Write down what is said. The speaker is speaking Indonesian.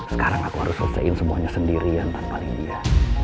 sekarang aku harus selesaikan semuanya sendirian tanpa lydia